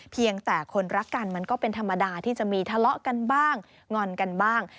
เพียงแต่คนรักกันมันก็เป็นธรรมดาที่จะมีทะเลาะกันบ้างงอนกันบ้าง